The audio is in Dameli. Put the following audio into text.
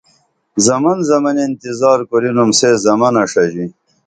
زمن زمنیہ انتظار کُرینُم سے زمنہ ݜژی